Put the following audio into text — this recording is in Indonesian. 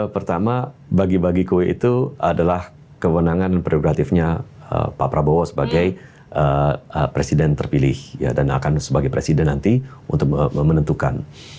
pertama bagi bagi kue itu adalah kewenangan prerogatifnya pak prabowo sebagai presiden terpilih dan akan sebagai presiden nanti untuk menentukan